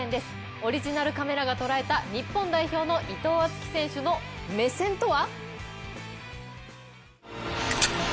オリジナルカメラが捉えた日本代表の伊藤敦樹選手の目線とは？